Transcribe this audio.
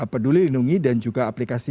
peduli lindungi dan juga aplikasi